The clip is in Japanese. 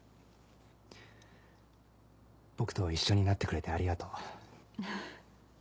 僕と一緒になってくれてありがとう。